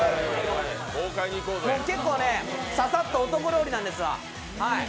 結構ササッと男料理なんですわ。